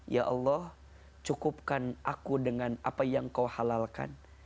ya allah cukupkan aku dengan apa yang kau halalkan